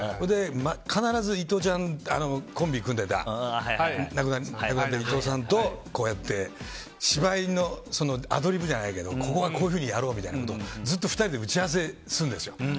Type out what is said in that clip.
必ずコンビ組んでた伊藤さんとこうやって芝居のアドリブじゃないけどここはこういうふうにやろうとか２人で打ち合わせをするんですよ。